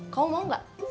kamu mau gak